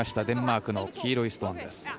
デンマークの黄色いストーン。